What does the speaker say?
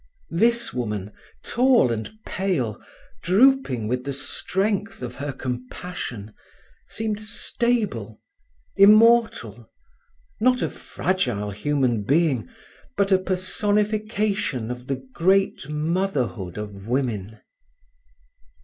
This woman, tall and pale, drooping with the strength of her compassion, seemed stable, immortal, not a fragile human being, but a personification of the great motherhood of women.